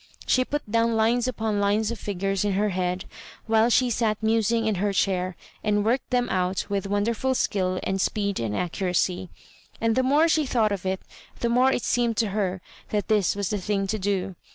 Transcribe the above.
She put down lines upon lines of figures in her head while she sat musing in her chair, and worked them out with wonderful skill and speed and accuracy. And the more she thought of it, the more it seemed to her that this was the thing to do.